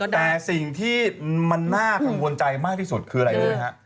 แต่สิ่งที่มันน่ากังวลใจมากที่สุดคืออะไรรู้ไหมฮะ